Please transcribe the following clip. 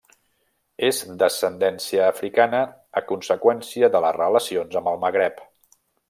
És d'ascendència africana a conseqüència de les relacions amb el Magreb.